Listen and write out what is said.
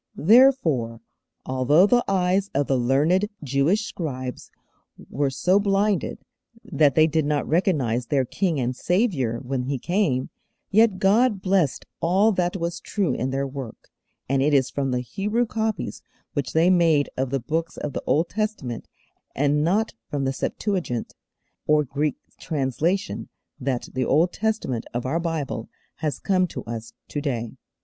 Therefore, although the eyes of the learned Jewish scribes were so blinded, that they did not recognize their King and Saviour when He came, yet God blessed all that was true in their work, and it is from the Hebrew copies which they made of the Books of the Old Testament, and not from the 'Septuagint,' or Greek translation, that the Old Testament of our Bible has come to us to day.